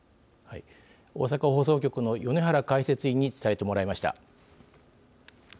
大阪放送局の米原解説委員に伝えてもらいました。